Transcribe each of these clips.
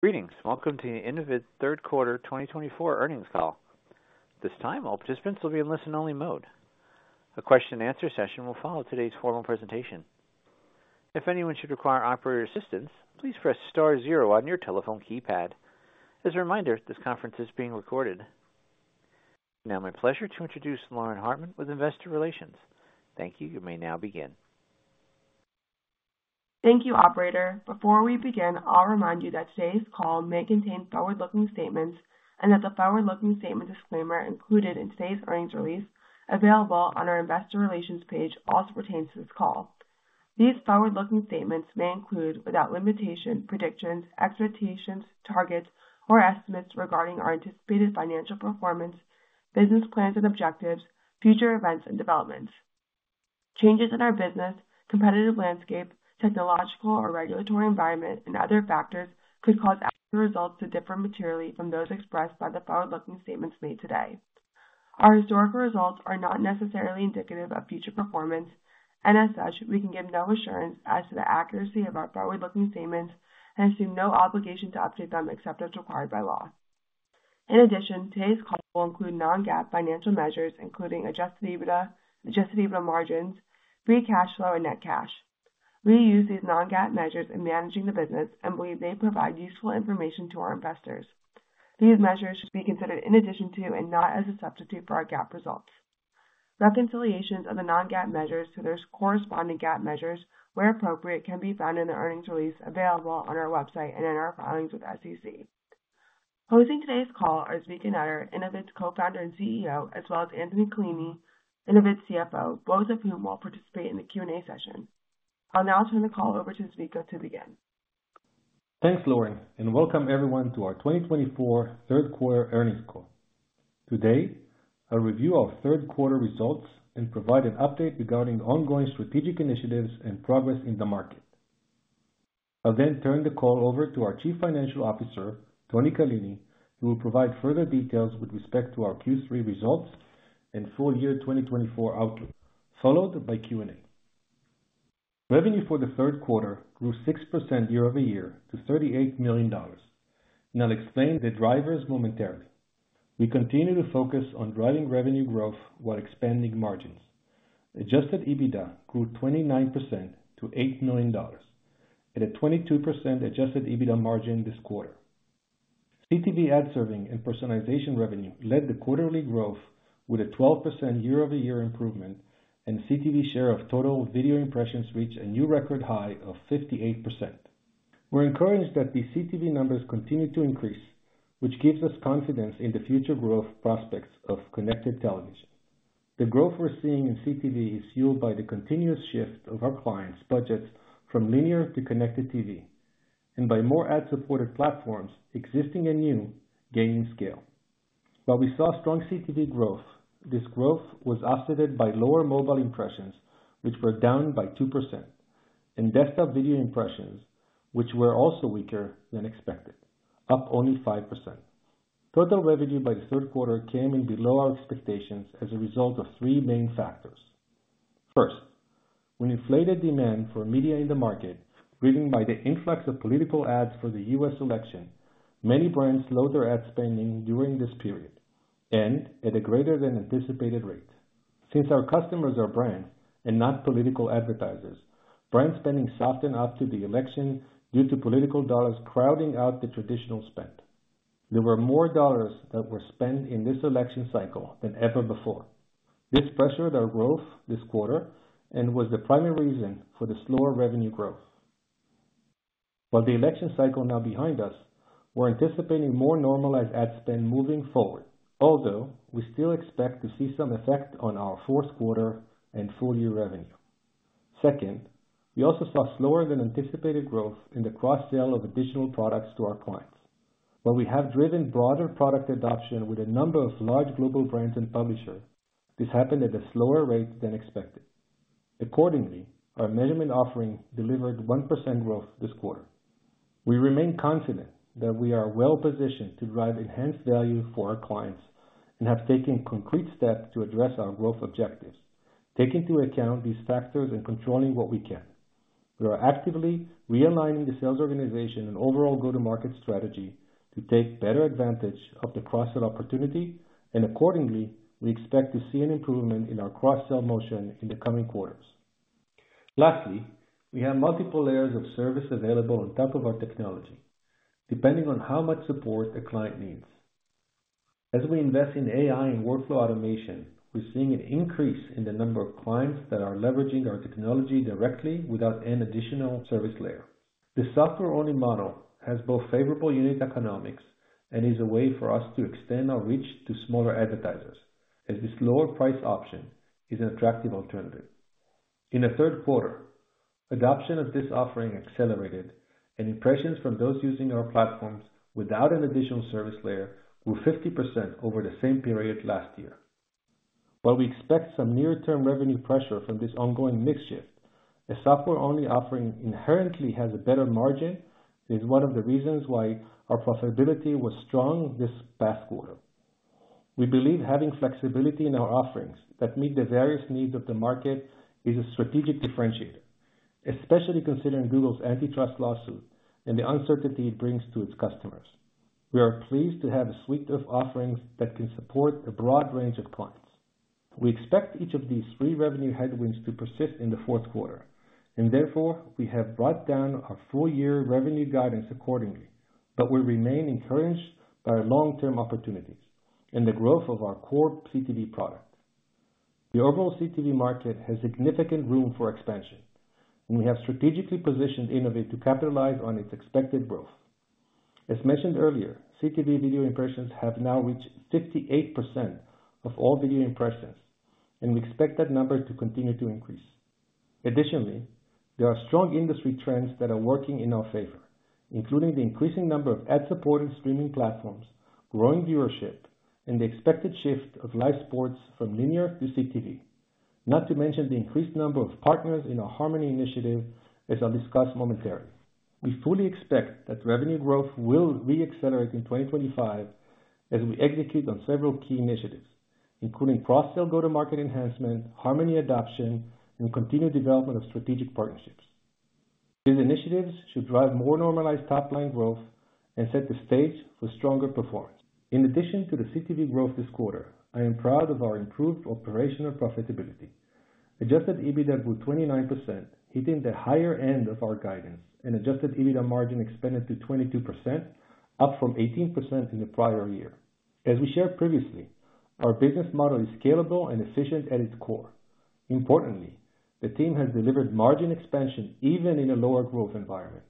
Greetings. Welcome to Innovid's third quarter 2024 earnings call. This time, all participants will be in listen-only mode. A question-and-answer session will follow today's formal presentation. If anyone should require operator assistance, please press star zero on your telephone keypad. As a reminder, this conference is being recorded. Now, my pleasure to introduce Lauren Hartman with Investor Relations. Thank you. You may now begin. Thank you, Operator. Before we begin, I'll remind you that today's call may contain forward-looking statements and that the forward-looking statement disclaimer included in today's earnings release, available on our Investor Relations page, also pertains to this call. These forward-looking statements may include, without limitation, predictions, expectations, targets, or estimates regarding our anticipated financial performance, business plans and objectives, future events and developments. Changes in our business, competitive landscape, technological or regulatory environment, and other factors could cause actual results to differ materially from those expressed by the forward-looking statements made today. Our historical results are not necessarily indicative of future performance, and as such, we can give no assurance as to the accuracy of our forward-looking statements and assume no obligation to update them except as required by law. In addition, today's call will include non-GAAP financial measures, including adjusted EBITDA, adjusted EBITDA margins, free cash flow, and net cash. We use these non-GAAP measures in managing the business and believe they provide useful information to our investors. These measures should be considered in addition to and not as a substitute for our GAAP results. Reconciliations of the non-GAAP measures to their corresponding GAAP measures, where appropriate, can be found in the earnings release available on our website and in our filings with SEC. Hosting today's call are Zvika Netter, Innovid's Co-founder and CEO, as well as Anthony Callini, Innovid's CFO, both of whom will participate in the Q&A session. I'll now turn the call over to Zvika to begin. Thanks, Lauren, and welcome everyone to our 2024 third quarter earnings call. Today, I'll review our third quarter results and provide an update regarding ongoing strategic initiatives and progress in the market. I'll then turn the call over to our Chief Financial Officer, Tony Callini, who will provide further details with respect to our Q3 results and full year 2024 outlook, followed by Q&A. Revenue for the third quarter grew 6% year over year to $38 million, and I'll explain the drivers momentarily. We continue to focus on driving revenue growth while expanding margins. Adjusted EBITDA grew 29% to $8 million and a 22% adjusted EBITDA margin this quarter. CTV ad serving and personalization revenue led to quarterly growth with a 12% year-over-year improvement, and CTV share of total video impressions reached a new record high of 58%. We're encouraged that these CTV numbers continue to increase, which gives us confidence in the future growth prospects of connected television. The growth we're seeing in CTV is fueled by the continuous shift of our clients' budgets from linear to connected TV and by more ad-supported platforms, existing and new, gaining scale. While we saw strong CTV growth, this growth was offset by lower mobile impressions, which were down by 2%, and desktop video impressions, which were also weaker than expected, up only 5%. Total revenue for the third quarter came in below our expectations as a result of three main factors. First, with inflated demand for media in the market, driven by the influx of political ads for the U.S. election, many brands slowed their ad spending during this period and at a greater than anticipated rate. Since our customers are brands and not political advertisers, brand spending softened up to the election due to political dollars crowding out the traditional spend. There were more dollars that were spent in this election cycle than ever before. This pressured our growth this quarter and was the primary reason for the slower revenue growth. While the election cycle is now behind us, we're anticipating more normalized ad spend moving forward, although we still expect to see some effect on our fourth quarter and full year revenue. Second, we also saw slower than anticipated growth in the cross-sale of additional products to our clients. While we have driven broader product adoption with a number of large global brands and publishers, this happened at a slower rate than expected. Accordingly, our measurement offering delivered 1% growth this quarter. We remain confident that we are well positioned to drive enhanced value for our clients and have taken concrete steps to address our growth objectives, taking into account these factors and controlling what we can. We are actively realigning the sales organization and overall go-to-market strategy to take better advantage of the cross-sale opportunity, and accordingly, we expect to see an improvement in our cross-sale motion in the coming quarters. Lastly, we have multiple layers of service available on top of our technology, depending on how much support a client needs. As we invest in AI and workflow automation, we're seeing an increase in the number of clients that are leveraging our technology directly without any additional service layer. The software-only model has both favorable unit economics and is a way for us to extend our reach to smaller advertisers, as this lower-priced option is an attractive alternative. In the third quarter, adoption of this offering accelerated, and impressions from those using our platforms without an additional service layer grew 50% over the same period last year. While we expect some near-term revenue pressure from this ongoing mix shift, a software-only offering inherently has a better margin and is one of the reasons why our profitability was strong this past quarter. We believe having flexibility in our offerings that meet the various needs of the market is a strategic differentiator, especially considering Google's antitrust lawsuit and the uncertainty it brings to its customers. We are pleased to have a suite of offerings that can support a broad range of clients. We expect each of these three revenue headwinds to persist in the fourth quarter, and therefore, we have brought down our full-year revenue guidance accordingly, but we remain encouraged by our long-term opportunities and the growth of our core CTV product. The overall CTV market has significant room for expansion, and we have strategically positioned Innovid to capitalize on its expected growth. As mentioned earlier, CTV video impressions have now reached 58% of all video impressions, and we expect that number to continue to increase. Additionally, there are strong industry trends that are working in our favor, including the increasing number of ad-supported streaming platforms, growing viewership, and the expected shift of live sports from linear to CTV, not to mention the increased number of partners in our Harmony initiative, as I'll discuss momentarily. We fully expect that revenue growth will re-accelerate in 2025 as we execute on several key initiatives, including cross-sale go-to-market enhancement, Harmony adoption, and continued development of strategic partnerships. These initiatives should drive more normalized top-line growth and set the stage for stronger performance. In addition to the CTV growth this quarter, I am proud of our improved operational profitability. Adjusted EBITDA grew 29%, hitting the higher end of our guidance, and adjusted EBITDA margin expanded to 22%, up from 18% in the prior year. As we shared previously, our business model is scalable and efficient at its core. Importantly, the team has delivered margin expansion even in a lower growth environment.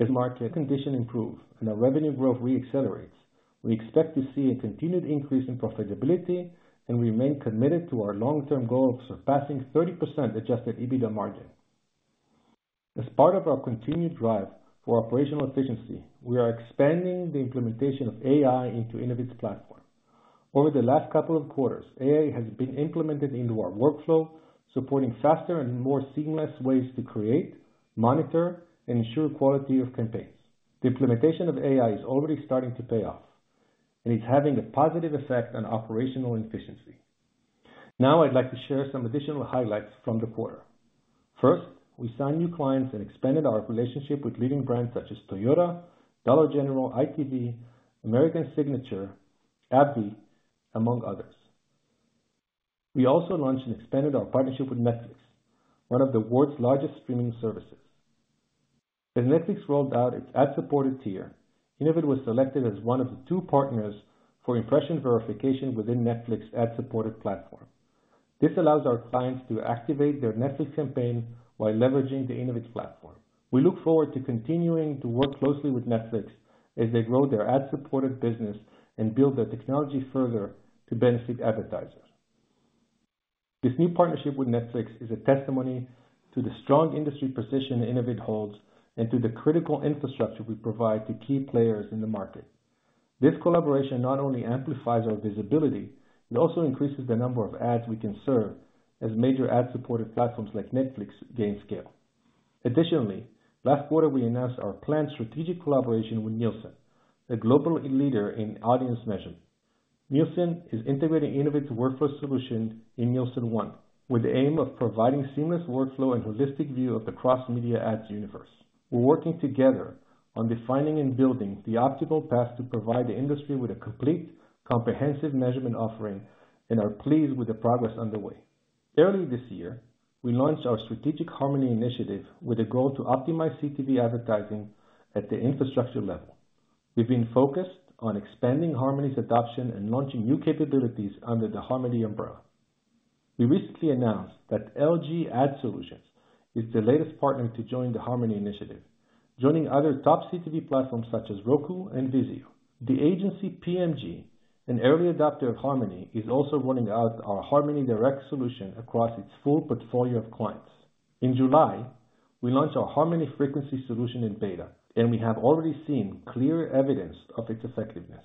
As market conditions improve and our revenue growth re-accelerates, we expect to see a continued increase in profitability and remain committed to our long-term goal of surpassing 30% adjusted EBITDA margin. As part of our continued drive for operational efficiency, we are expanding the implementation of AI into Innovid's platform. Over the last couple of quarters, AI has been implemented into our workflow, supporting faster and more seamless ways to create, monitor, and ensure quality of campaigns. The implementation of AI is already starting to pay off, and it's having a positive effect on operational efficiency. Now, I'd like to share some additional highlights from the quarter. First, we signed new clients and expanded our relationship with leading brands such as Toyota, Dollar General, ITV, American Signature, AbbVie, among others. We also launched and expanded our partnership with Netflix, one of the world's largest streaming services. As Netflix rolled out its ad-supported tier, Innovid was selected as one of the two partners for impression verification within Netflix's ad-supported platform. This allows our clients to activate their Netflix campaign while leveraging the Innovid platform. We look forward to continuing to work closely with Netflix as they grow their ad-supported business and build their technology further to benefit advertisers. This new partnership with Netflix is a testimony to the strong industry position Innovid holds and to the critical infrastructure we provide to key players in the market. This collaboration not only amplifies our visibility, it also increases the number of ads we can serve as major ad-supported platforms like Netflix gain scale. Additionally, last quarter, we announced our planned strategic collaboration with Nielsen, a global leader in audience measurement. Nielsen is integrating Innovid's workflow solution in Nielsen ONE, with the aim of providing seamless workflow and holistic view of the cross-media ads universe. We're working together on defining and building the optimal path to provide the industry with a complete, comprehensive measurement offering and are pleased with the progress underway. Early this year, we launched our strategic Harmony initiative with a goal to optimize CTV advertising at the infrastructure level. We've been focused on expanding Harmony's adoption and launching new capabilities under the Harmony umbrella. We recently announced that LG Ad Solutions is the latest partner to join the Harmony initiative, joining other top CTV platforms such as Roku and Vizio. The agency PMG, an early adopter of Harmony, is also rolling out our Harmony Direct solution across its full portfolio of clients. In July, we launched our Harmony Frequency solution in beta, and we have already seen clear evidence of its effectiveness.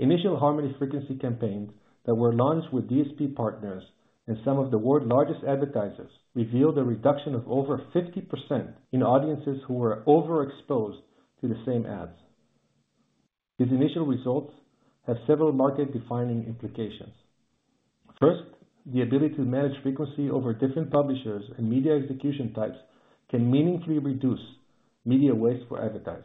Initial Harmony Frequency campaigns that were launched with DSP partners and some of the world's largest advertisers revealed a reduction of over 50% in audiences who were overexposed to the same ads. These initial results have several market-defining implications. First, the ability to manage frequency over different publishers and media execution types can meaningfully reduce media waste for advertisers.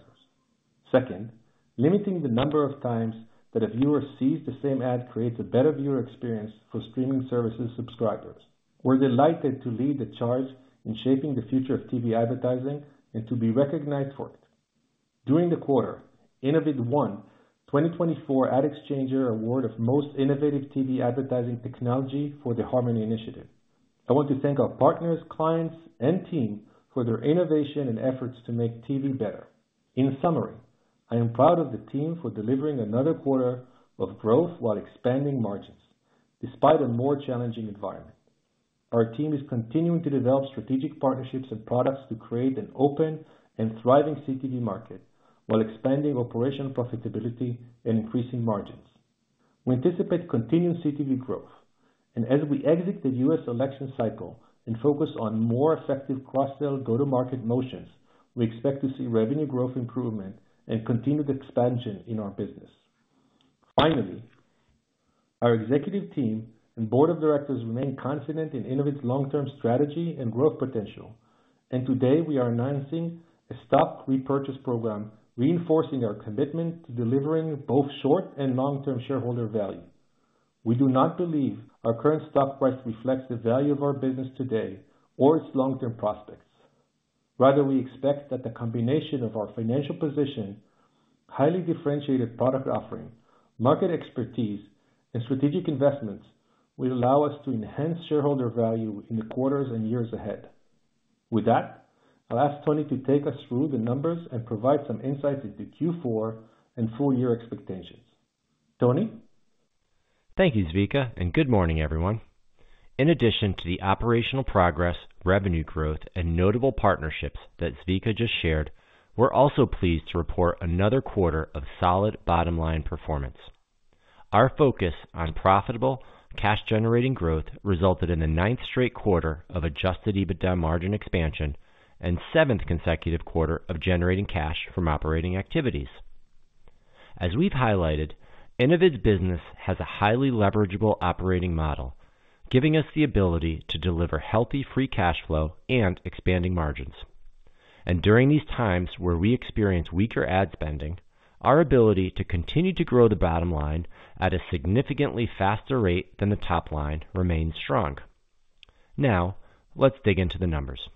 Second, limiting the number of times that a viewer sees the same ad creates a better viewer experience for streaming services subscribers. We're delighted to lead the charge in shaping the future of TV advertising and to be recognized for it. During the quarter, Innovid won the 2024 AdExchanger Award of Most Innovative TV Advertising Technology for the Harmony initiative. I want to thank our partners, clients, and team for their innovation and efforts to make TV better. In summary, I am proud of the team for delivering another quarter of growth while expanding margins, despite a more challenging environment. Our team is continuing to develop strategic partnerships and products to create an open and thriving CTV market while expanding operational profitability and increasing margins. We anticipate continued CTV growth, and as we exit the U.S. election cycle and focus on more effective cross-sale go-to-market motions, we expect to see revenue growth improvement and continued expansion in our business. Finally, our executive team and board of directors remain confident in Innovid's long-term strategy and growth potential, and today we are announcing a stock repurchase program, reinforcing our commitment to delivering both short and long-term shareholder value. We do not believe our current stock price reflects the value of our business today or its long-term prospects. Rather, we expect that the combination of our financial position, highly differentiated product offering, market expertise, and strategic investments will allow us to enhance shareholder value in the quarters and years ahead. With that, I'll ask Tony to take us through the numbers and provide some insights into Q4 and full-year expectations. Tony? Thank you, Zvika, and good morning, everyone. In addition to the operational progress, revenue growth, and notable partnerships that Zvika just shared, we're also pleased to report another quarter of solid bottom-line performance. Our focus on profitable, cash-generating growth resulted in the ninth straight quarter of Adjusted EBITDA margin expansion and seventh consecutive quarter of generating cash from operating activities. As we've highlighted, Innovid's business has a highly leverageable operating model, giving us the ability to deliver healthy free cash flow and expanding margins. And during these times where we experience weaker ad spending, our ability to continue to grow the bottom line at a significantly faster rate than the top line remains strong. Now, let's dig into the numbers.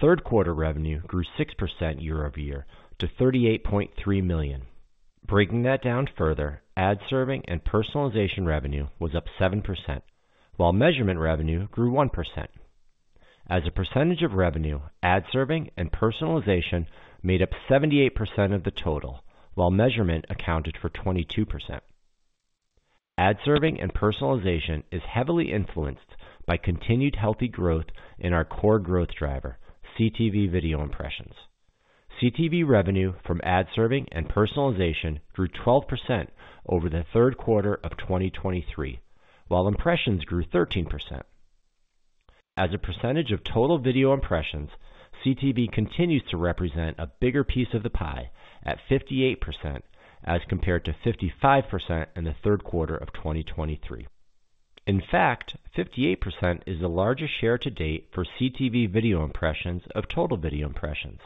Third quarter revenue grew 6% year over year to $38.3 million. Breaking that down further, ad serving and personalization revenue was up 7%, while measurement revenue grew 1%. As a percentage of revenue, ad serving and personalization made up 78% of the total, while measurement accounted for 22%. Ad serving and personalization is heavily influenced by continued healthy growth in our core growth driver, CTV video impressions. CTV revenue from ad serving and personalization grew 12% over the third quarter of 2023, while impressions grew 13%. As a percentage of total video impressions, CTV continues to represent a bigger piece of the pie at 58% as compared to 55% in the third quarter of 2023. In fact, 58% is the largest share to date for CTV video impressions of total video impressions.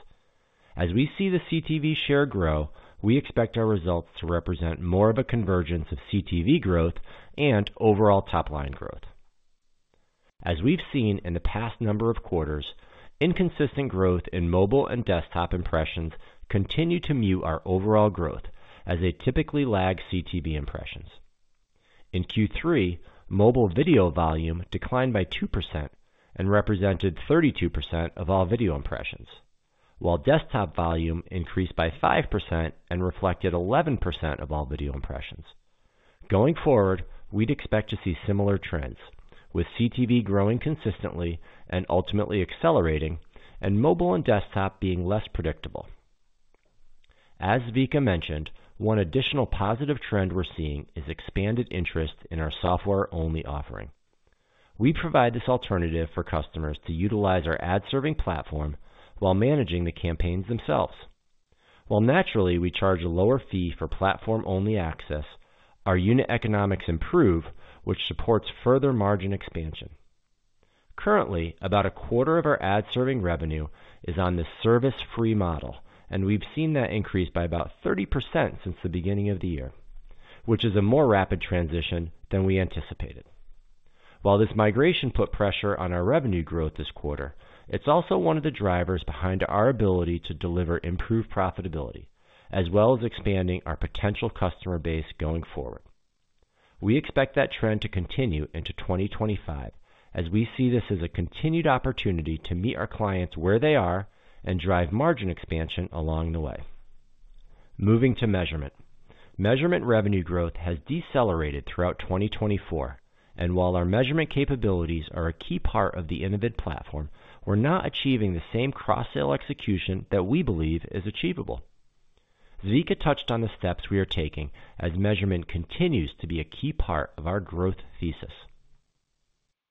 As we see the CTV share grow, we expect our results to represent more of a convergence of CTV growth and overall top-line growth. As we've seen in the past number of quarters, inconsistent growth in mobile and desktop impressions continued to mute our overall growth as they typically lag CTV impressions. In Q3, mobile video volume declined by 2% and represented 32% of all video impressions, while desktop volume increased by 5% and reflected 11% of all video impressions. Going forward, we'd expect to see similar trends, with CTV growing consistently and ultimately accelerating, and mobile and desktop being less predictable. As Zvika mentioned, one additional positive trend we're seeing is expanded interest in our software-only offering. We provide this alternative for customers to utilize our ad serving platform while managing the campaigns themselves. While naturally we charge a lower fee for platform-only access, our unit economics improve, which supports further margin expansion. Currently, about a quarter of our ad serving revenue is on the service-free model, and we've seen that increase by about 30% since the beginning of the year, which is a more rapid transition than we anticipated. While this migration put pressure on our revenue growth this quarter, it's also one of the drivers behind our ability to deliver improved profitability, as well as expanding our potential customer base going forward. We expect that trend to continue into 2025, as we see this as a continued opportunity to meet our clients where they are and drive margin expansion along the way. Moving to measurement. Measurement revenue growth has decelerated throughout 2024, and while our measurement capabilities are a key part of the Innovid platform, we're not achieving the same cross-sale execution that we believe is achievable. Zvika touched on the steps we are taking as measurement continues to be a key part of our growth thesis.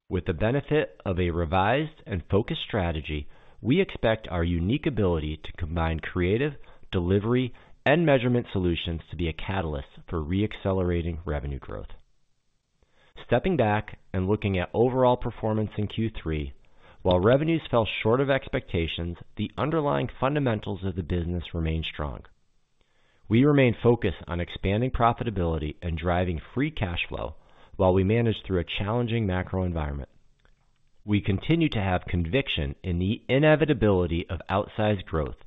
With the benefit of a revised and focused strategy, we expect our unique ability to combine creative, delivery, and measurement solutions to be a catalyst for re-accelerating revenue growth. Stepping back and looking at overall performance in Q3, while revenues fell short of expectations, the underlying fundamentals of the business remain strong. We remain focused on expanding profitability and driving free cash flow while we manage through a challenging macro environment. We continue to have conviction in the inevitability of outsized growth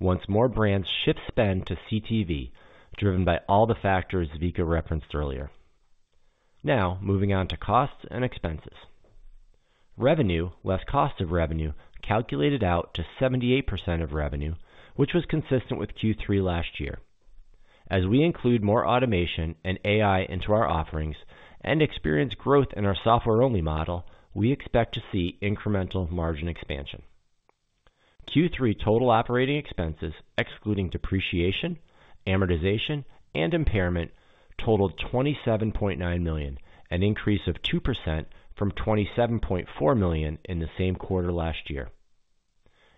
once more brands shift spend to CTV, driven by all the factors Zvika referenced earlier. Now, moving on to costs and expenses. Revenue less cost of revenue calculated out to 78% of revenue, which was consistent with Q3 last year. As we include more automation and AI into our offerings and experience growth in our software-only model, we expect to see incremental margin expansion. Q3 total operating expenses, excluding depreciation, amortization, and impairment, totaled $27.9 million, an increase of 2% from $27.4 million in the same quarter last year.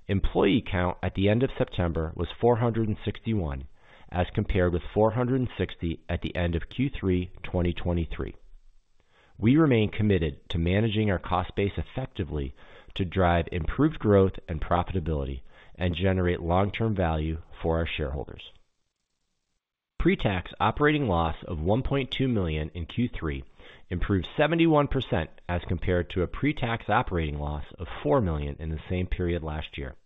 Employee count at the end of September was 461, as compared with 460 at the end of Q3 2023. We remain committed to managing our cost base effectively to drive improved growth and profitability and generate long-term value for our shareholders. Pretax operating loss of $1.2 million in Q3 improved 71% as compared to a pretax operating loss of $4 million in the same period last year.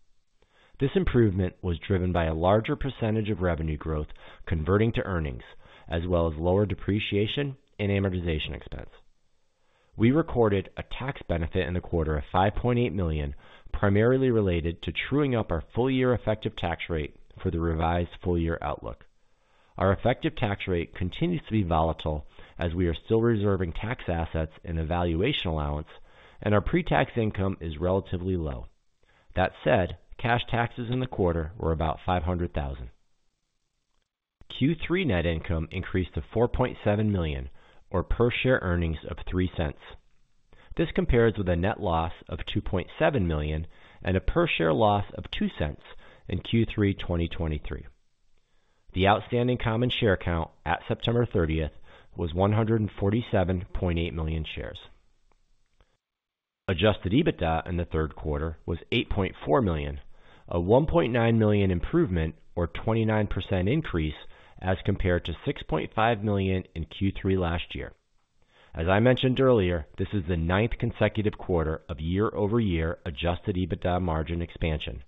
This improvement was driven by a larger percentage of revenue growth converting to earnings, as well as lower depreciation and amortization expense. We recorded a tax benefit in the quarter of $5.8 million, primarily related to truing up our full-year effective tax rate for the revised full-year outlook. Our effective tax rate continues to be volatile as we are still reserving tax assets in the valuation allowance, and our pretax income is relatively low. That said, cash taxes in the quarter were about $500,000. Q3 net income increased to $4.7 million, or per share earnings of $0.03. This compares with a net loss of $2.7 million and a per share loss of $0.02 in Q3 2023. The outstanding common share count at September 30th was 147.8 million shares. Adjusted EBITDA in the third quarter was $8.4 million, a $1.9 million improvement or 29% increase as compared to $6.5 million in Q3 last year. As I mentioned earlier, this is the ninth consecutive quarter of year-over-year adjusted EBITDA margin expansion,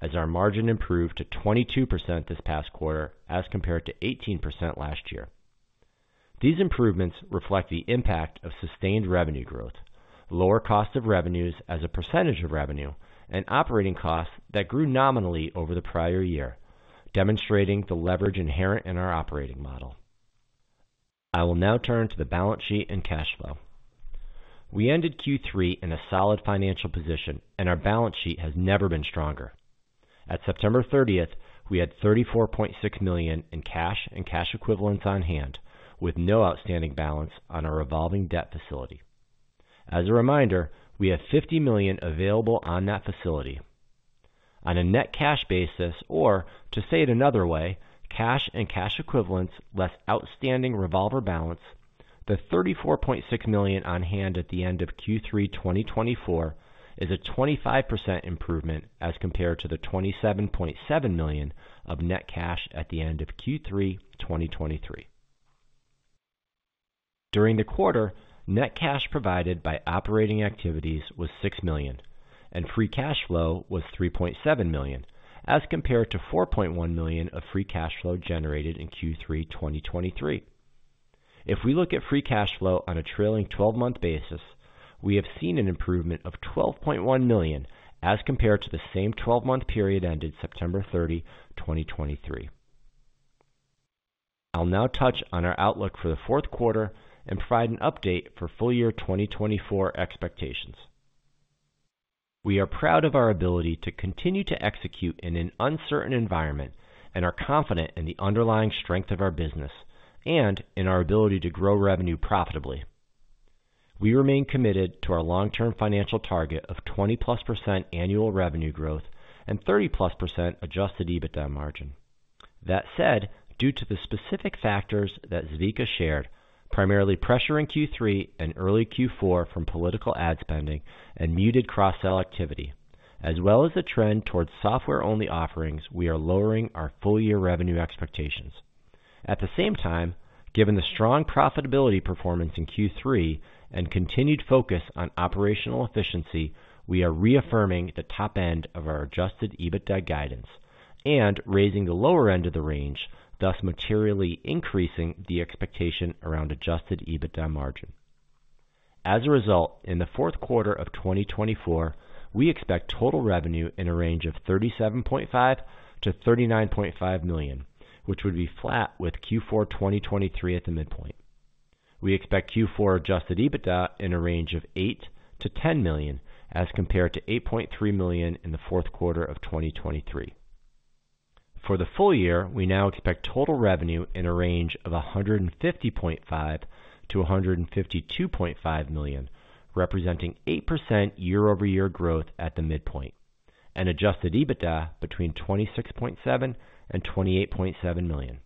as our margin improved to 22% this past quarter as compared to 18% last year. These improvements reflect the impact of sustained revenue growth, lower cost of revenues as a percentage of revenue, and operating costs that grew nominally over the prior year, demonstrating the leverage inherent in our operating model. I will now turn to the balance sheet and cash flow. We ended Q3 in a solid financial position, and our balance sheet has never been stronger. At September 30th, we had $34.6 million in cash and cash equivalents on hand, with no outstanding balance on our revolving debt facility. As a reminder, we have $50 million available on that facility. On a net cash basis, or to say it another way, cash and cash equivalents less outstanding revolver balance, the $34.6 million on hand at the end of Q3 2024 is a 25% improvement as compared to the $27.7 million of net cash at the end of Q3 2023. During the quarter, net cash provided by operating activities was $6 million, and free cash flow was $3.7 million, as compared to $4.1 million of free cash flow generated in Q3 2023. If we look at free cash flow on a trailing 12-month basis, we have seen an improvement of $12.1 million as compared to the same 12-month period ended September 30, 2023. I'll now touch on our outlook for the fourth quarter and provide an update for full-year 2024 expectations. We are proud of our ability to continue to execute in an uncertain environment and are confident in the underlying strength of our business and in our ability to grow revenue profitably. We remain committed to our long-term financial target of 20-plus% annual revenue growth and 30-plus% Adjusted EBITDA margin. That said, due to the specific factors that Zvika shared, primarily pressure in Q3 and early Q4 from political ad spending and muted cross-sale activity, as well as the trend towards software-only offerings, we are lowering our full-year revenue expectations. At the same time, given the strong profitability performance in Q3 and continued focus on operational efficiency, we are reaffirming the top end of our Adjusted EBITDA guidance and raising the lower end of the range, thus materially increasing the expectation around Adjusted EBITDA margin. As a result, in the fourth quarter of 2024, we expect total revenue in a range of $37.5-$39.5 million, which would be flat with Q4 2023 at the midpoint. We expect Q4 Adjusted EBITDA in a range of $8-$10 million as compared to $8.3 million in the fourth quarter of 2023. For the full year, we now expect total revenue in a range of $150.5-$152.5 million, representing 8% year-over-year growth at the midpoint, and Adjusted EBITDA between $26.7 and $28.7 million.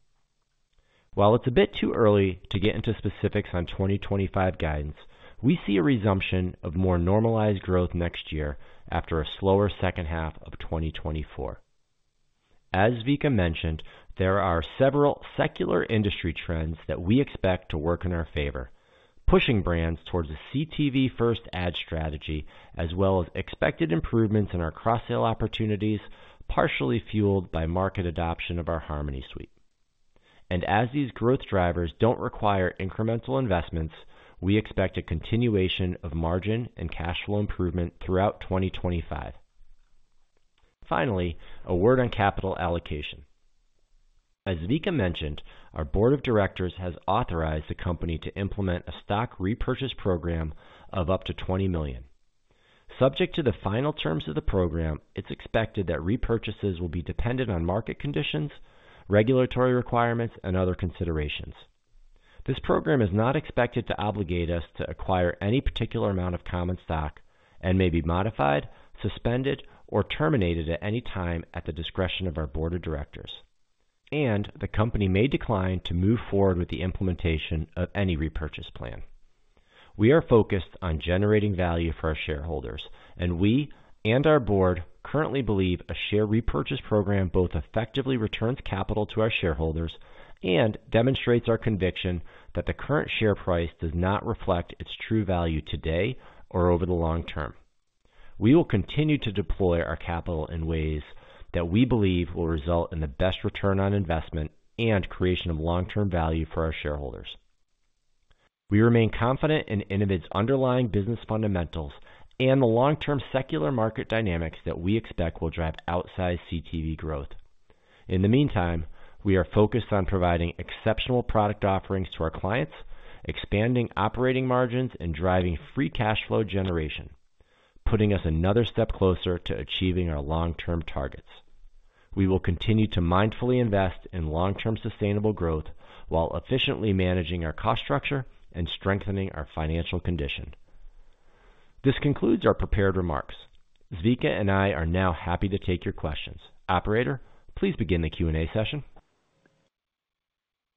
While it's a bit too early to get into specifics on 2025 guidance, we see a resumption of more normalized growth next year after a slower second half of 2024. As Zvika mentioned, there are several secular industry trends that we expect to work in our favor, pushing brands towards a CTV-first ad strategy, as well as expected improvements in our cross-sale opportunities, partially fueled by market adoption of our Harmony Suite. And as these growth drivers don't require incremental investments, we expect a continuation of margin and cash flow improvement throughout 2025. Finally, a word on capital allocation. As Zvika mentioned, our board of directors has authorized the company to implement a stock repurchase program of up to $20 million. Subject to the final terms of the program, it's expected that repurchases will be dependent on market conditions, regulatory requirements, and other considerations. This program is not expected to obligate us to acquire any particular amount of common stock and may be modified, suspended, or terminated at any time at the discretion of our board of directors, and the company may decline to move forward with the implementation of any repurchase plan. We are focused on generating value for our shareholders, and we and our board currently believe a share repurchase program both effectively returns capital to our shareholders and demonstrates our conviction that the current share price does not reflect its true value today or over the long term. We will continue to deploy our capital in ways that we believe will result in the best return on investment and creation of long-term value for our shareholders. We remain confident in Innovid's underlying business fundamentals and the long-term secular market dynamics that we expect will drive outsized CTV growth. In the meantime, we are focused on providing exceptional product offerings to our clients, expanding operating margins, and driving free cash flow generation, putting us another step closer to achieving our long-term targets. We will continue to mindfully invest in long-term sustainable growth while efficiently managing our cost structure and strengthening our financial condition. This concludes our prepared remarks. Zvika and I are now happy to take your questions. Operator, please begin the Q&A session.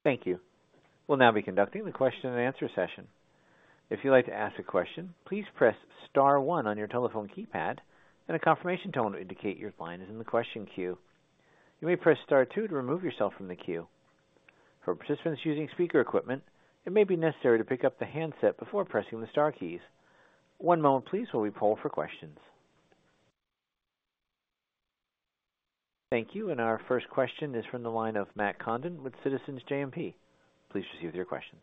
Thank you. We'll now be conducting the question-and-answer session. If you'd like to ask a question, please press Star 1 on your telephone keypad, and a confirmation tone will indicate your line is in the question queue. You may press Star 2 to remove yourself from the queue. For participants using speaker equipment, it may be necessary to pick up the handset before pressing the Star keys. One moment, please, while we poll for questions. Thank you. Our first question is from the line of Matt Condon with Citizens JMP. Please proceed with your questions.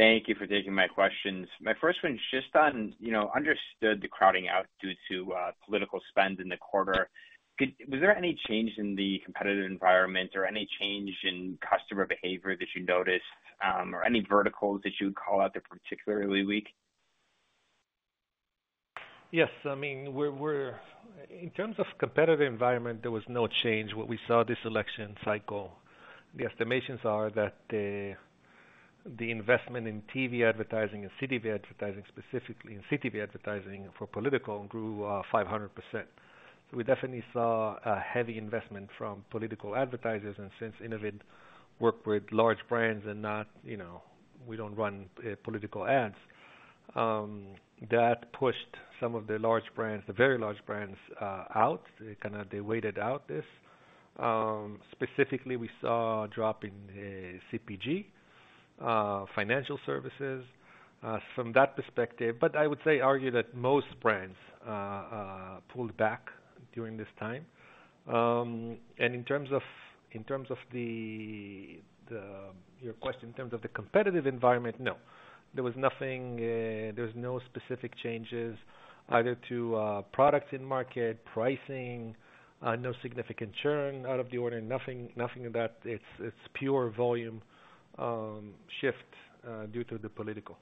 Thank you for taking my questions. My first one's just on, you know, understood the crowding out due to, political spend in the quarter. Could—was there any change in the competitive environment or any change in customer behavior that you noticed, or any verticals that you would call out that are particularly weak? Yes. I mean, we're, we're—in terms of competitive environment, there was no change what we saw this election cycle. The estimations are that the investment in TV advertising and CTV advertising, specifically in CTV advertising for political, grew 500%. So we definitely saw a heavy investment from political advertisers. And since Innovid worked with large brands and not, you know, we don't run political ads, that pushed some of the large brands, the very large brands, out. They kind of waited out this. Specifically, we saw a drop in CPG, financial services, from that perspective. But I would say argue that most brands pulled back during this time. And in terms of your question, in terms of the competitive environment, no. There was no specific changes either to products in market, pricing, no significant churn out of the order, nothing of that. It's pure volume shift due to the political.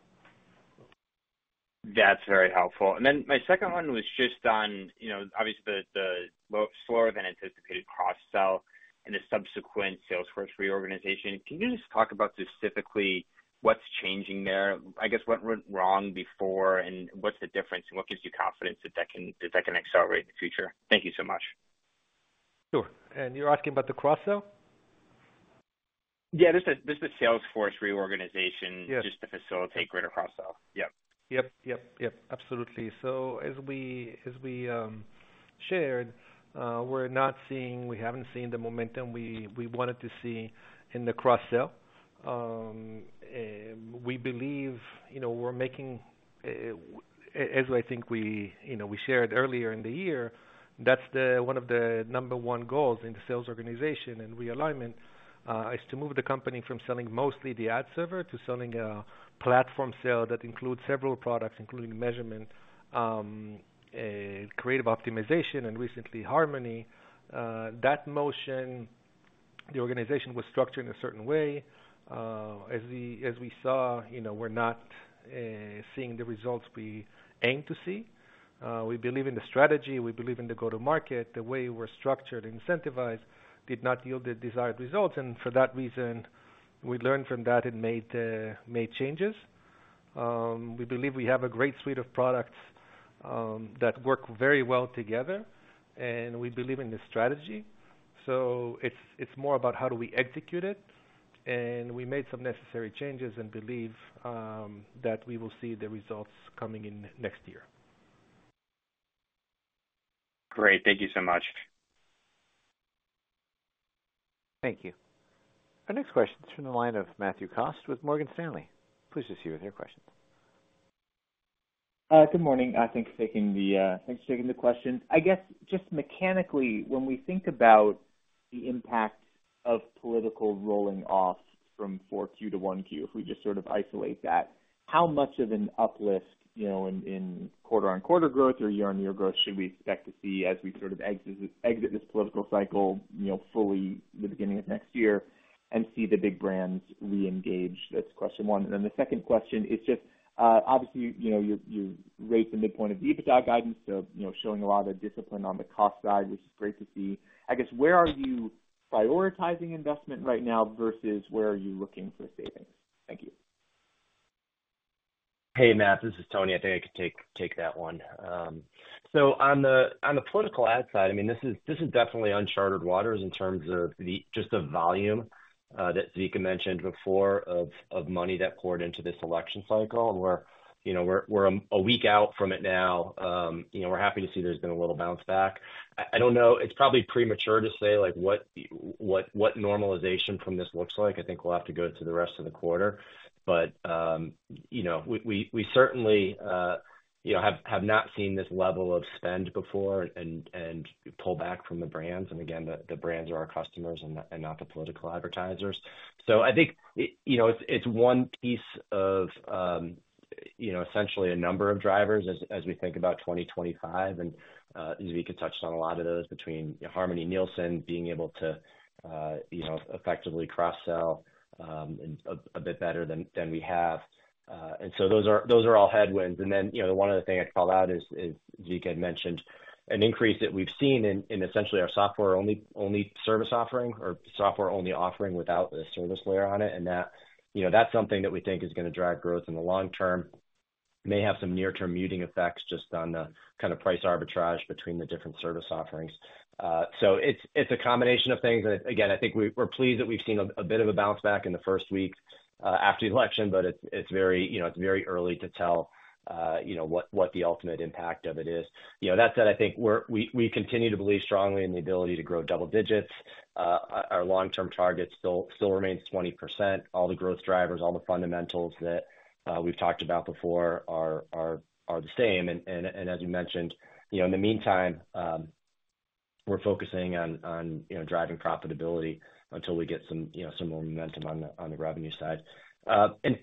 That's very helpful. And then my second one was just on, you know, obviously the slower than anticipated cross-sell and the subsequent sales force reorganization. Can you just talk about specifically what's changing there? I guess what went wrong before and what's the difference and what gives you confidence that that can accelerate in the future? Thank you so much. Sure. And you're asking about the cross-sell? Yeah. This is the sales force reorganization. Yeah. Just to facilitate greater cross-sell. Yep. Absolutely. So as we shared, we're not seeing—we haven't seen the momentum we wanted to see in the cross-sell. We believe, you know, we're making, as I think we, you know, we shared earlier in the year, that's one of the number one goals in the sales organization and realignment, is to move the company from selling mostly the ad server to selling a platform sale that includes several products, including measurement, creative optimization, and recently Harmony. That motion, the organization was structured in a certain way. As we saw, you know, we're not seeing the results we aim to see. We believe in the strategy. We believe in the go-to-market. The way we're structured and incentivized did not yield the desired results. And for that reason, we learned from that and made changes. We believe we have a great suite of products that work very well together, and we believe in the strategy. So it's more about how do we execute it. And we made some necessary changes and believe that we will see the result coming in next year. Great. Thank you so much. Thank you. Our next question's from the line of Matthew Cost with Morgan Stanley. Please go ahead with your question. Good morning. Thanks for taking the question. I guess just mechanically, when we think about the impact of political rolling off from 4Q to 1Q, if we just sort of isolate that, how much of an uplift, you know, in quarter-on-quarter growth or year-on-year growth should we expect to see as we sort of exit this political cycle, you know, fully the beginning of next year and see the big brands reengage? That's question one, and then the second question is just, obviously, you know, your rates and midpoint of EBITDA guidance, so, you know, showing a lot of discipline on the cost side, which is great to see. I guess, where are you prioritizing investment right now versus where are you looking for savings? Thank you. Hey, Matt, this is Tony. I think I could take that one. So on the political ad side, I mean, this is definitely uncharted waters in terms of just the volume that Zvika mentioned before of money that poured into this election cycle. And we're, you know, we're a week out from it now. You know, we're happy to see there's been a little bounce back. I don't know. It's probably premature to say, like, what normalization from this looks like. I think we'll have to go to the rest of the quarter. But, you know, we certainly, you know, have not seen this level of spend before and pull back from the brands. And again, the brands are our customers and not the political advertisers. So I think, you know, it's one piece of, you know, essentially a number of drivers as we think about 2025. Zvika touched on a lot of those between, you know, Harmony, Nielsen being able to, you know, effectively cross-sell a bit better than we have, and so those are all headwinds. Then, you know, one other thing I'd call out is Zvika had mentioned an increase that we've seen in essentially our software-only service offering or software-only offering without the service layer on it. That, you know, that's something that we think is gonna drive growth in the long term. It may have some near-term muting effects just on the kind of price arbitrage between the different service offerings, so it's a combination of things. And again, I think we're pleased that we've seen a bit of a bounce back in the first weeks after the election, but it's very, you know, it's very early to tell, you know, what the ultimate impact of it is. You know, that said, I think we continue to believe strongly in the ability to grow double digits. Our long-term target still remains 20%. All the growth drivers, all the fundamentals that we've talked about before are the same. And as you mentioned, you know, in the meantime, we're focusing on driving profitability until we get some more momentum on the revenue side.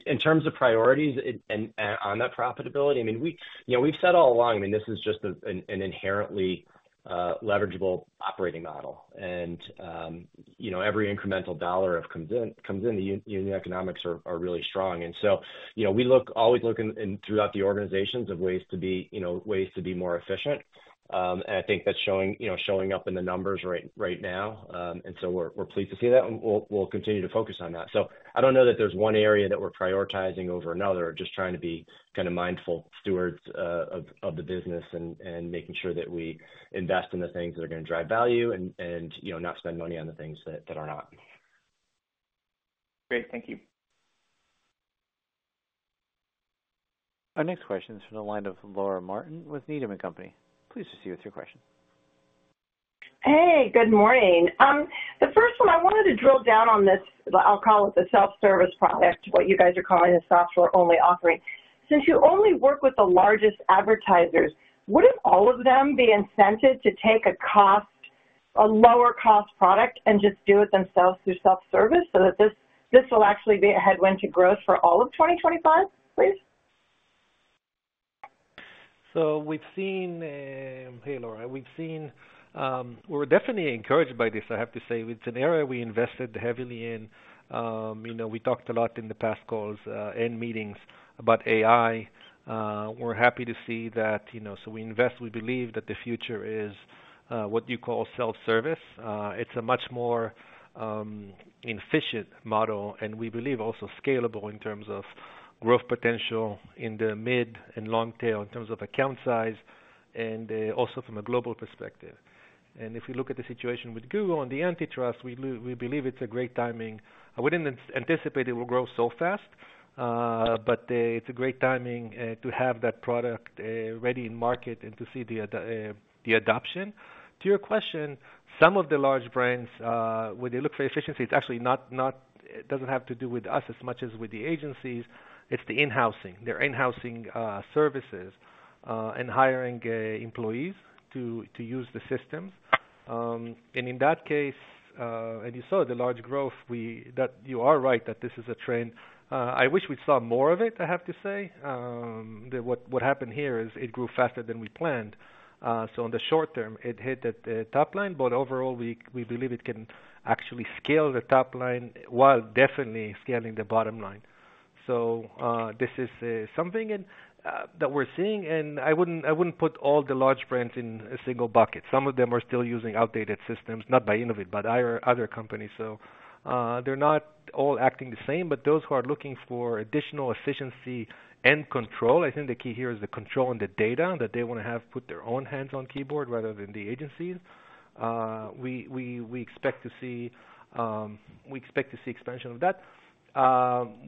In terms of priorities and on that profitability, I mean, we, you know, we've said all along, I mean, this is just an inherently leverageable operating model. And, you know, every incremental dollar that comes in, the unit economics are really strong. And so, you know, we always look throughout the organization for ways to be more efficient. And I think that's showing up in the numbers right now. And so we're pleased to see that. And we'll continue to focus on that. So I don't know that there's one area that we're prioritizing over another. Just trying to be kind of mindful stewards of the business and making sure that we invest in the things that are gonna drive value and, you know, not spend money on the things that are not. Great. Thank you. Our next question's from the line of Laura Martin with Needham & Company. Please proceed with your question. Hey, good morning. The first one, I wanted to drill down on this, I'll call it the self-service product, what you guys are calling the software-only offering. Since you only work with the largest advertisers, wouldn't all of them be incented to take a lower-cost product and just do it themselves through self-service so that this will actually be a headwind to growth for all of 2025, please? So hey, Laura, we've seen, we were definitely encouraged by this, I have to say. It's an area we invested heavily in. You know, we talked a lot in the past calls and meetings about AI. We're happy to see that, you know, so we invest. We believe that the future is what you call self-service. It's a much more efficient model, and we believe also scalable in terms of growth potential in the mid and long tail in terms of account size and also from a global perspective, and if we look at the situation with Google and the antitrust, we believe it's a great timing. I wouldn't anticipate it will grow so fast, but it's a great timing to have that product ready in market and to see the adoption. To your question, some of the large brands, when they look for efficiency, it's actually not, it doesn't have to do with us as much as with the agencies. It's the in-housing. They're in-housing services and hiring employees to use the systems, and in that case, you saw the large growth. We that you are right that this is a trend. I wish we'd saw more of it, I have to say. What happened here is it grew faster than we planned, so in the short term, it hit at the top line, but overall, we believe it can actually scale the top line while definitely scaling the bottom line, so this is something and that we're seeing, and I wouldn't put all the large brands in a single bucket. Some of them are still using outdated systems, not by Innovid, but other companies. So, they're not all acting the same, but those who are looking for additional efficiency and control, I think the key here is the control and the data that they wanna have put their own hands on keyboard rather than the agencies. We expect to see expansion of that.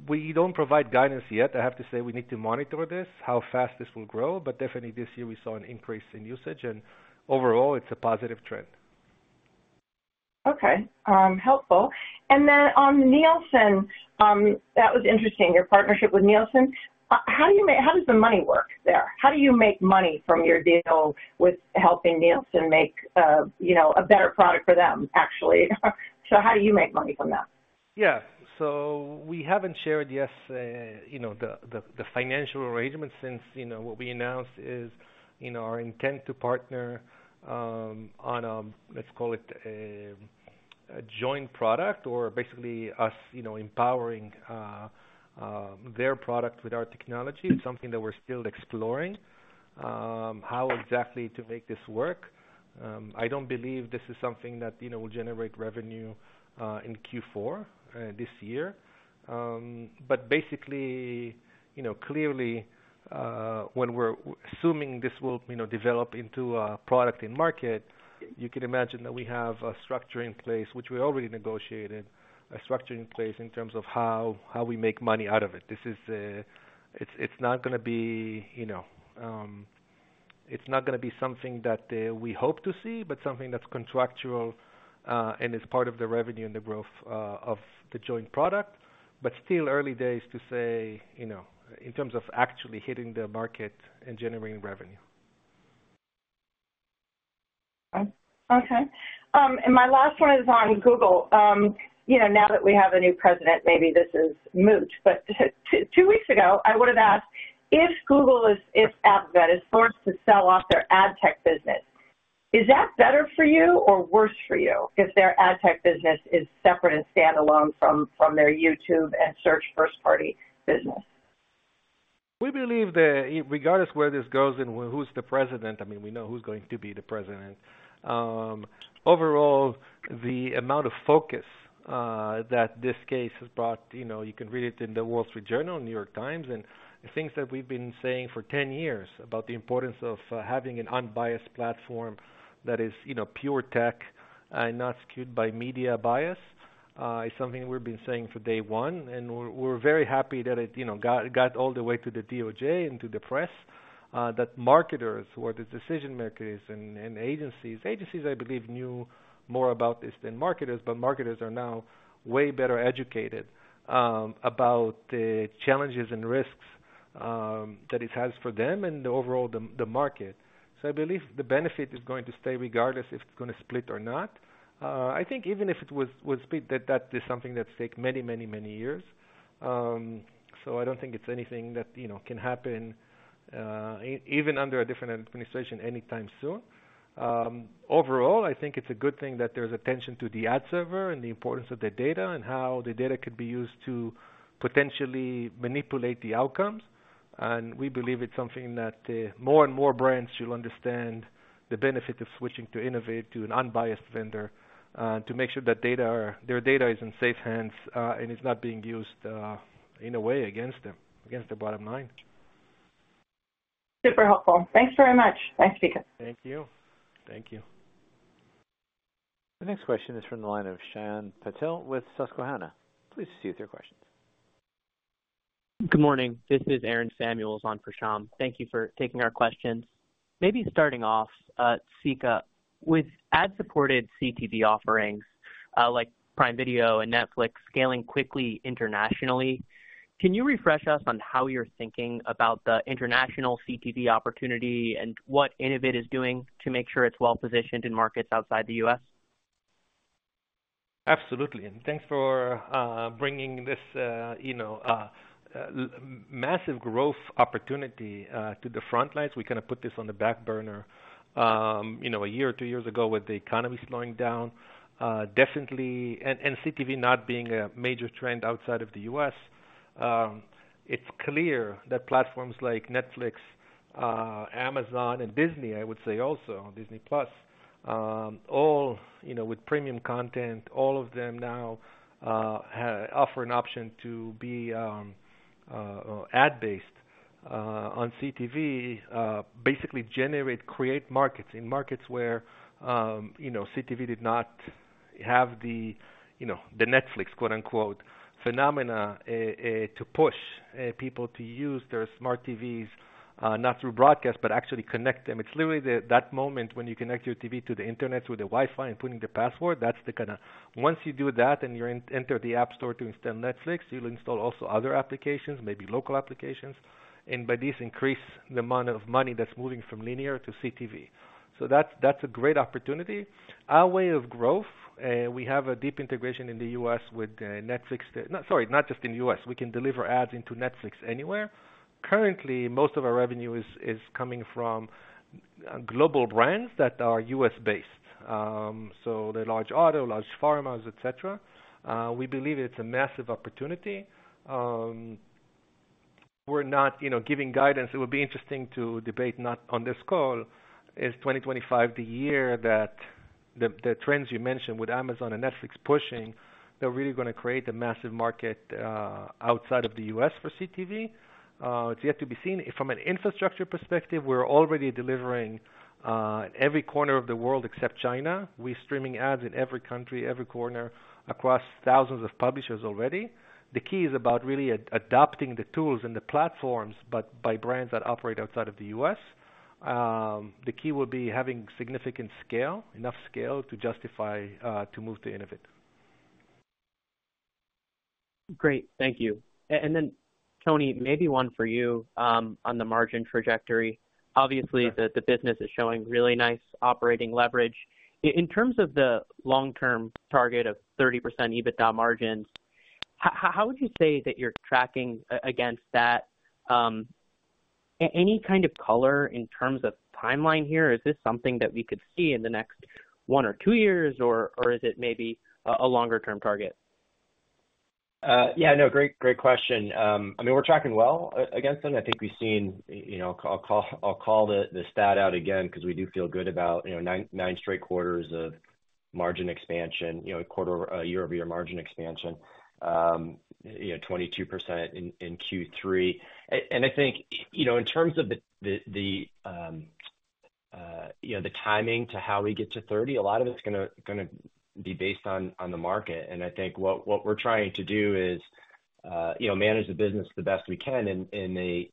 We don't provide guidance yet. I have to say we need to monitor this, how fast this will grow. But definitely this year we saw an increase in usage, and overall it's a positive trend. Okay. Helpful. And then on Nielsen, that was interesting, your partnership with Nielsen. How do you make, how does the money work there? How do you make money from your deal with helping Nielsen make, you know, a better product for them, actually? So how do you make money from that? Yeah. So we haven't shared yet, you know, the financial arrangement since, you know, what we announced is, you know, our intent to partner on a, let's call it, a joint product or basically us, you know, empowering their product with our technology. It's something that we're still exploring, how exactly to make this work. I don't believe this is something that, you know, will generate revenue in Q4 this year. But basically, you know, clearly, when we're assuming this will, you know, develop into a product in market, you can imagine that we have a structure in place, which we already negotiated, a structure in place in terms of how we make money out of it. This is. It's not gonna be, you know, it's not gonna be something that we hope to see, but something that's contractual, and is part of the revenue and the growth of the joint product. But still early days to say, you know, in terms of actually hitting the market and generating revenue. Okay. And my last one is on Google. You know, now that we have a new president, maybe this is moot, but two weeks ago, I would've asked if Alphabet is forced to sell off their ad tech business, is that better for you or worse for you if their ad tech business is separate and standalone from their YouTube and search first-party business? We believe that regardless where this goes and who's the president, I mean, we know who's going to be the president. Overall, the amount of focus that this case has brought, you know, you can read it in The Wall Street Journal, The New York Times, and things that we've been saying for 10 years about the importance of having an unbiased platform that is, you know, pure tech and not skewed by media bias, is something we've been saying from day one. We're very happy that it, you know, got all the way to the DOJ and to the press, that marketers who are the decision makers and agencies, I believe, knew more about this than marketers, but marketers are now way better educated about the challenges and risks that it has for them and the overall market. So I believe the benefit is going to stay regardless if it's gonna split or not. I think even if it was split, that is something that'll take many, many, many years. So I don't think it's anything that, you know, can happen, even under a different administration anytime soon. Overall, I think it's a good thing that there's attention to the ad server and the importance of the data and how the data could be used to potentially manipulate the outcomes. We believe it's something that, more and more brands should understand the benefit of switching to Innovid, to an unbiased vendor, to make sure that data are, their data is in safe hands, and is not being used, in a way against them, against their bottom line. Super helpful. Thanks very much. Thanks, Zvika. Thank you. Thank you. The next question is from the line of Shyam Patil with Susquehanna. Please proceed with your questions. Good morning. This is Aaron Samuels on for Sham. Thank you for taking our questions. Maybe starting off, Zvika, with ad-supported CTV offerings, like Prime Video and Netflix scaling quickly internationally, can you refresh us on how you're thinking about the international CTV opportunity and what Innovid is doing to make sure it's well-positioned in markets outside the US? Absolutely. And thanks for bringing this, you know, massive growth opportunity to the front lines. We kinda put this on the back burner, you know, a year or two years ago with the economy slowing down. Definitely, and CTV not being a major trend outside of the U.S., it's clear that platforms like Netflix, Amazon, and Disney, I would say also Disney Plus, all, you know, with premium content, all of them now have an option to be ad-based on CTV, basically generate, create markets in markets where, you know, CTV did not have the, you know, the Netflix, quote-unquote, phenomena, to push people to use their smart TVs, not through broadcast, but actually connect them. It's literally that moment when you connect your TV to the internet through the Wi-Fi and putting the password, that's the kind of, once you do that and you're in, enter the App Store to install Netflix, you'll install also other applications, maybe local applications, and by this increase the amount of money that's moving from linear to CTV. So that's a great opportunity. Our way of growth, we have a deep integration in the U.S. with Netflix, not just in the U.S. We can deliver ads into Netflix anywhere. Currently, most of our revenue is coming from global brands that are U.S.-based. So the large autos, large pharmas, etc. We believe it's a massive opportunity. We're not, you know, giving guidance. It would be interesting to debate not on this call. Is 2025 the year that the trends you mentioned with Amazon and Netflix pushing, they're really gonna create a massive market outside of the U.S. for CTV? It's yet to be seen. From an infrastructure perspective, we're already delivering every corner of the world except China. We're streaming ads in every country, every corner across thousands of publishers already. The key is about really adopting the tools and the platforms, but by brands that operate outside of the US. The key will be having significant scale, enough scale to justify to move to Innovid. Great. Thank you. And then, Tony, maybe one for you, on the margin trajectory. Obviously, the business is showing really nice operating leverage. In terms of the long-term target of 30% EBITDA margins, how would you say that you're tracking against that? Any kind of color in terms of timeline here? Is this something that we could see in the next one or two years, or is it maybe a longer-term target? Yeah, no, great, great question. I mean, we're tracking well against that. I think we've seen, you know, I'll call the stat out again 'cause we do feel good about, you know, nine straight quarters of margin expansion, you know, quarter-over-year-over-year margin expansion, you know, 22% in Q3. And I think, you know, in terms of the timing to how we get to 30, a lot of it's gonna be based on the market. And I think what we're trying to do is, you know, manage the business the best we can in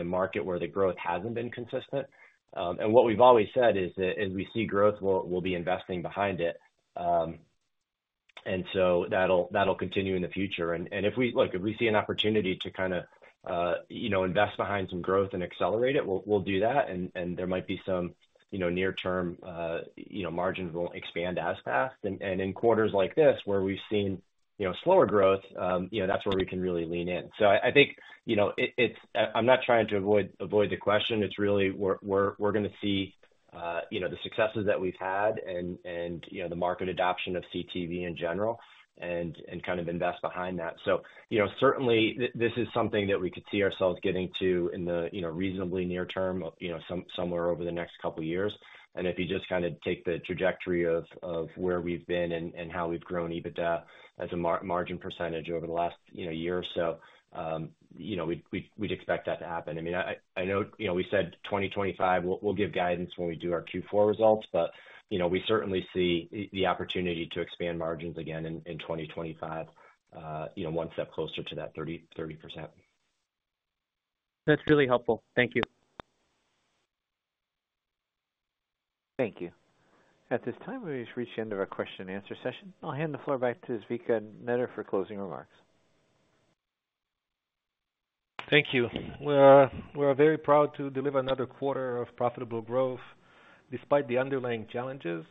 a market where the growth hasn't been consistent. And what we've always said is that as we see growth, we'll be investing behind it. And so that'll continue in the future. And if we see an opportunity to kinda, you know, invest behind some growth and accelerate it, we'll do that. And there might be some, you know, near-term, you know, margins won't expand as fast. And in quarters like this where we've seen, you know, slower growth, you know, that's where we can really lean in. So I think, you know, it's. I'm not trying to avoid the question. It's really we're gonna see, you know, the successes that we've had and, you know, the market adoption of CTV in general and kind of invest behind that. So, you know, certainly this is something that we could see ourselves getting to in the, you know, reasonably near term, you know, somewhere over the next couple of years. If you just kinda take the trajectory of where we've been and how we've grown EBITDA as a margin percentage over the last, you know, year or so, you know, we'd expect that to happen. I mean, I know, you know, we said 2025, we'll give guidance when we do our Q4 results, but, you know, we certainly see the opportunity to expand margins again in 2025, you know, one step closer to that 30%. That's really helpful. Thank you. Thank you. At this time, we've reached the end of our question-and-answer session. I'll hand the floor back to Zvika Netter for closing remarks. Thank you. We're very proud to deliver another quarter of profitable growth despite the underlying challenges.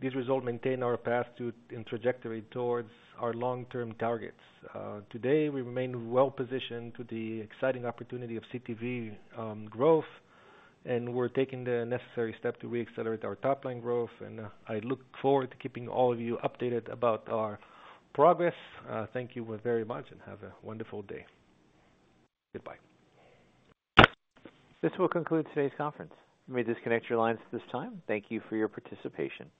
These results maintain our path to and trajectory towards our long-term targets. Today we remain well-positioned to the exciting opportunity of CTV, growth, and we're taking the necessary step to re-accelerate our top-line growth, and I look forward to keeping all of you updated about our progress. Thank you very much and have a wonderful day. Goodbye. This will conclude today's conference. We may disconnect your lines at this time. Thank you for your participation.